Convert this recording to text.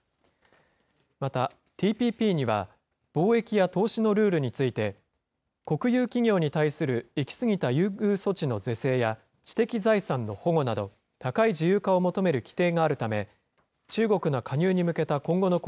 また、ＴＰＰには、貿易や投資のルールについて、国有企業に対する行き過ぎた優遇措置の是正や知的財産の保護など、高い自由化を求める規定があるため、中国が加入に向けた今後の交